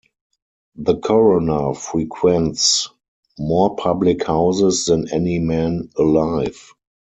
The coroner frequents more public-houses than any man alive.